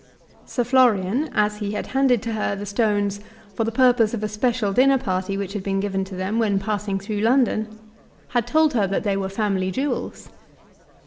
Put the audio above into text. Sir Florian, as he had handed to her the stones for the purpose of a special dinner party which had been given to them when passing through London, had told her that they were family jewels.